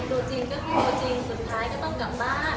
ดูจริงก็คือตัวจริงสุดท้ายก็ต้องกลับบ้าน